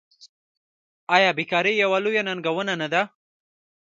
آیا بیکاري یوه لویه ننګونه نه ده؟